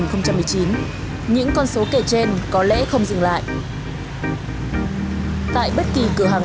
đang chuẩn bị được đưa vào tái sử dụng